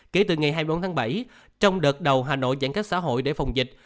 kể từ ngày hai mươi bốn tháng bảy trong đợt đầu hà nội giãn cách xã hội để phòng dịch